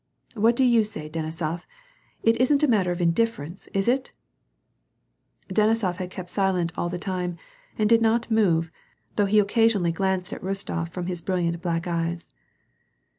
What do you say, Denisof ? It isn't a matter of indifference, is it ?" Denisof had kept silent all the time, and did not move, though he occasionally glanced at Bostof from his brilliant black eyes.